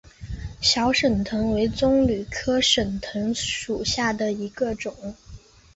小省藤为棕榈科省藤属下的一个种。